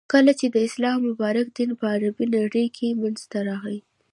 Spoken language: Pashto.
،کله چی د اسلام مبارک دین په عربی نړی کی منځته راغی.